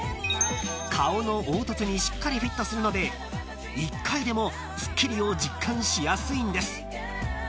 ［顔の凹凸にしっかりフィットするので１回でもすっきりを実感しやすいんです］